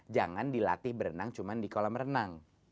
jangan dilatih berenang cuma di kolam renang